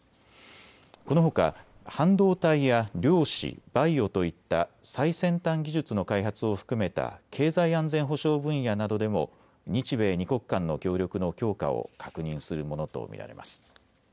このほか半導体や量子、バイオといった最先端技術の開発を含めた経済安全保障分野などでも日米２国間の協力の強化を確認するものと見られます。